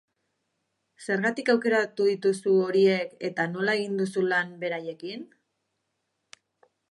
Zergatik aukeratu dituzu horiek, eta nola egin duzu lan beraiekin?